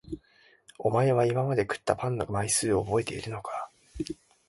おまえは今まで食ったパンの枚数をおぼえているのか？